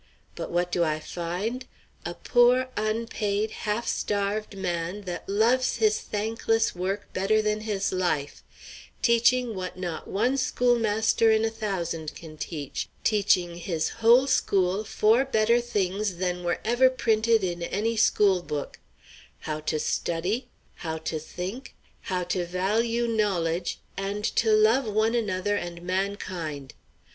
But what do I find? A poor, unpaid, half starved man that loves his thankless work better than his life, teaching what not one schoolmaster in a thousand can teach; teaching his whole school four better things than were ever printed in any school book, how to study, how to think, how to value knowledge, and to love one another and mankind.